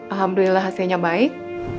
alhamdulillah hasilnya baik